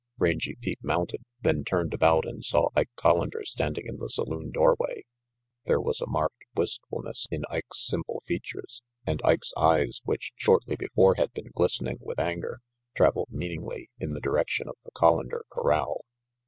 Rangy Pete mounted, then turned about and saw Ike Collander standing in the saloon doorway. There was a marked wistfulness in Ike's simple features, and Ike's eyes, which shortly before had been glistening with anger, traveled meaningly in the direction of the Collander corral.